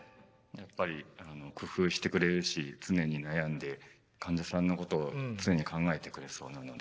やっぱり工夫してくれるし常に悩んで患者さんのことを常に考えてくれそうなので。